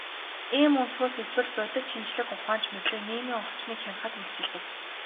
Ийм өнцгөөс үзвэл, бодит шинжлэх ухаанч мэдлэг нийгмийн орчныг хянахад үйлчилдэг.